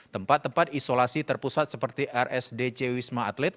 tempat tempat isolasi terpusat seperti rsdc wisma atlet